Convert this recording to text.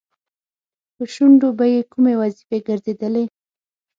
په شونډو به یې کومې وظیفې ګرځېدلې؟